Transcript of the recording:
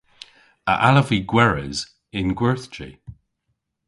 A allav vy gweres yn gwerthji?